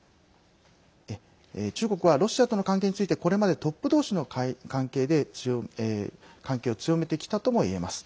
中国はロシアとの関係についてこれまでトップどうしの関係で関係を強めてきたともいえます。